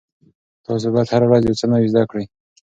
تاسو باید هره ورځ یو څه نوي زده کړئ.